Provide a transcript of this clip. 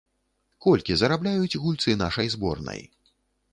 Колькі зарабляюць гульцы нашай зборнай?